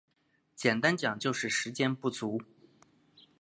简单讲就是时间不足